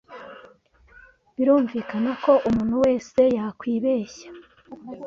Birumvikana ko umuntu wese yakwibeshya